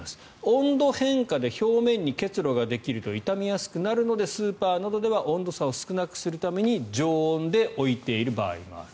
温度変化で表面に結露ができると傷みやすくなるのでスーパーなどでは温度差を少なくするために常温で置いている場合がある。